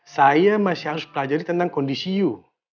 saya masih harus pelajari tentang kondisi you